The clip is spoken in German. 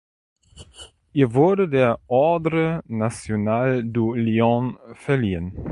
Ihr wurde der Ordre national du Lion verliehen.